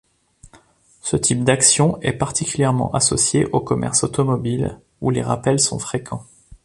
Ce type d'action est particulièrement associé au commerce automobile, où les rappels sont fréquents.